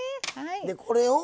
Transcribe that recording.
でこれを？